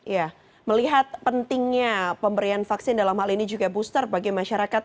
ya melihat pentingnya pemberian vaksin dalam hal ini juga booster bagi masyarakat